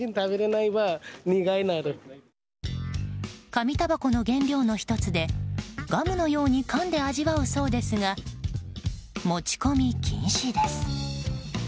かみたばこの原料の１つでガムのようにかんで味わうそうですが持ち込み禁止です。